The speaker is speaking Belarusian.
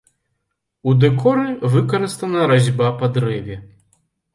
У дэкоры выкарыстана разьба па дрэве.